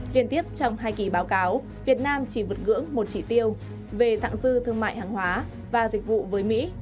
liên tiếp trong hai kỳ báo cáo việt nam chỉ vượt ngưỡng một chỉ tiêu về thẳng dư thương mại hàng hóa và dịch vụ với mỹ